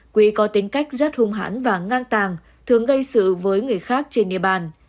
quy có tính cách rất hung hãn và ngang tàng thường gây sự với người khác trên địa bàn